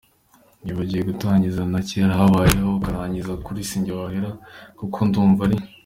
wibagiwe gutangiza na kerahabayeho ukarangiriza kuri sinjye wahera kuko ndumva ari